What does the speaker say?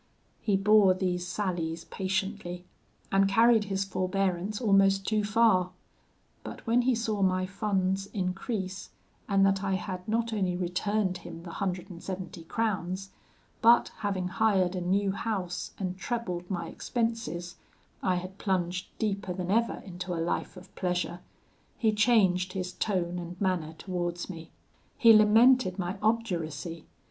He bore these sallies patiently, and carried his forbearance almost too far: but when he saw my funds increase, and that I had not only returned him the hundred and seventy crowns, but having hired a new house and trebled my expenses, I had plunged deeper than ever into a life of pleasure, he changed his tone and manner towards me. He lamented my obduracy.